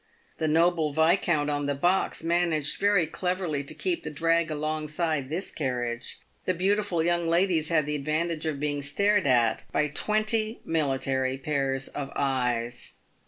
The noble viscount on the box managed very cleverly to keep the drag alongside this carriage. The beautiful young ladies had the advantage of being stared at by twenty military pairs of eyes.